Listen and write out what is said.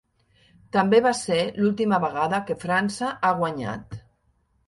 També va ser l'última vegada que França ha guanyat.